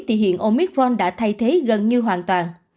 thì hiện omitron đã thay thế gần như hoàn toàn